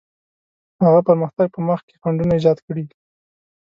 هغه پرمختګ په مخ کې خنډونه ایجاد کړي.